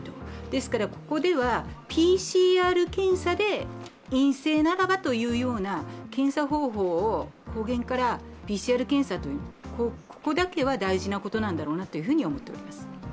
ですから、ここではＰＣＲ検査で陰性ならばというような検査方法を抗原からＰＣＲ検査にと、ここだけは大事なところなんだろうなと思います。